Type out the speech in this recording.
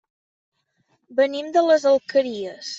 Venim de les Alqueries.